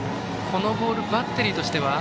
このボール、バッテリーとしては。